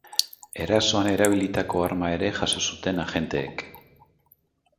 Erasoan erabilitako arma ere jaso zuten agenteek.